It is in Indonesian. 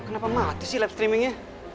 kenapa mati sih live streamingnya